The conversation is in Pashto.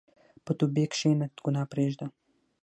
په توبې کښېنه، ګناه پرېږده.